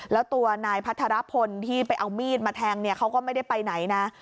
แล้วตัวนายพัทรพลที่ไปเอามีดมาแทงเนี่ยเขาก็ไม่ได้ไปไหนนะ